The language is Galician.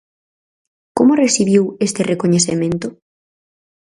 Como recibiu este recoñecemento?